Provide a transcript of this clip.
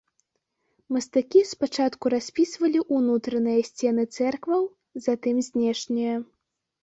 Мастакі спачатку распісвалі ўнутраныя сцены цэркваў, затым знешнія.